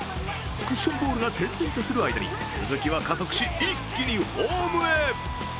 クッションボールが転々とする間に鈴木は加速し、一気にホームへ。